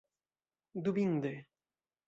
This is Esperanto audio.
Dubinde.